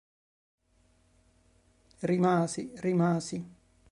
Rimasi, rimasi.